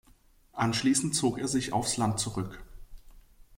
Anschließend zog er sich aufs Land zurück.